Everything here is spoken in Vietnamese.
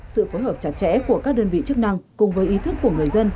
sự phối hợp chặt chẽ của các đơn vị chức năng cùng với ý thức của người dân